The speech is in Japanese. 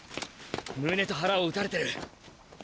胸と腹を撃たれてる。